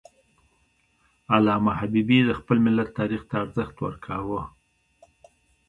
علامه حبیبي د خپل ملت تاریخ ته ارزښت ورکاوه.